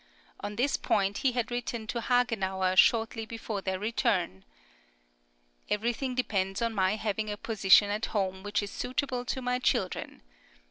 On this point he had written to Hagenauer, shortly before their return: Everything depends on my having a position at home which is suitable to my children.